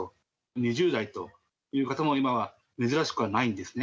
２０代という方も今は珍しくはないんですね。